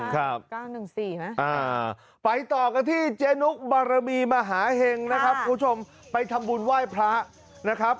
ครับ๙๑๔ไหมอ่าไปต่อกันที่เจ๊นุกบารมีมหาเห็งนะครับคุณผู้ชมไปทำบุญไหว้พระนะครับ